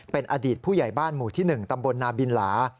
เป็นอดีตผู้ใหญ่บ้านหมู่ที่๑ตำบลนาบินหลา